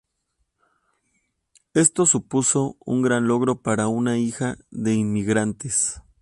Esto supuso un gran logro para una hija de inmigrantes.